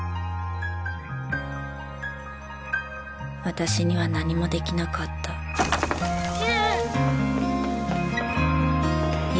私には何もできなかった優！